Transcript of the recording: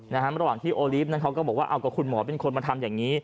ระหว่างที่โอลีฟนั้นเขาก็บอกว่าเอากับคุณหมอเป็นคนมาทำอย่างนี้